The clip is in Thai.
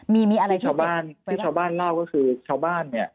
มีมีอะไรชาวบ้านที่ชาวบ้านเล่าก็คือชาวบ้านเนี่ย